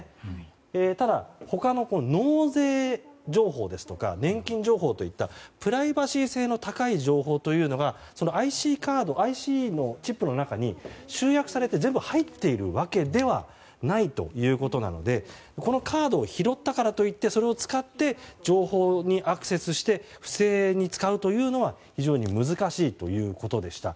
ただ、他の納税情報ですとか年金情報といったプライバシー性の高い情報というのがＩＣカード、ＩＣチップの中に集約されて全部入っているわけではないということなのでこのカードを拾ったからといってそれを使って情報にアクセスして不正に使うというのは非常に難しいということでした。